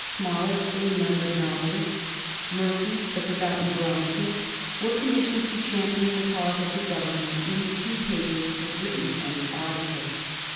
Smollett, the remembered novelist, Murphy, the forgotten dramatist, were commissioned to champion the cause of the Government in the two papers, the Briton and the Auditor.